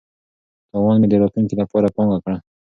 تاوان مې د راتلونکي لپاره پانګه کړه.